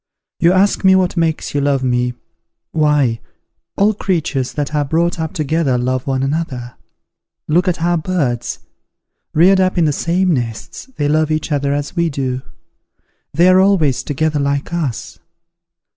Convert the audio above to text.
You ask me what makes you love me. Why, all creatures that are brought up together love one another. Look at our birds; reared up in the same nests, they love each other as we do; they are always together like us.